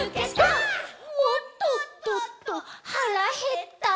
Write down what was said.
「おっとっとっと腹減った」